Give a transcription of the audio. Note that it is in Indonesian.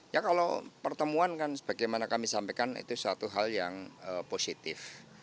ya kalau pertemuan kan sebagaimana kami sampaikan itu suatu hal yang positif